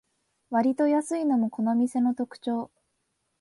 わりと安いのもこの店の特長